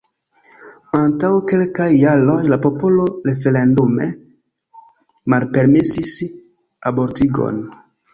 Antaŭ kelkaj jaroj la popolo referendume malpermesis abortigon.